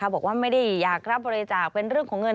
บอกว่าไม่ได้อยากรับบริจาคเป็นเรื่องของเงิน